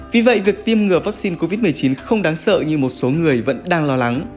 vì vậy việc tiêm ngừa vaccine covid một mươi chín không đáng sợ như một số người vẫn đang lo lắng